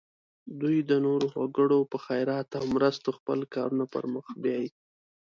دوی د نورو وګړو په خیرات او مرستو خپل کارونه پر مخ بیایي.